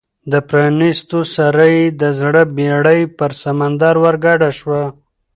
د پرانیستلو سره یې د زړه بېړۍ پر سمندر ورګډه شوه.